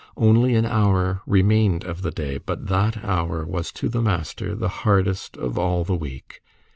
Only an hour remained of the day, but that hour was to the master the hardest of all the week.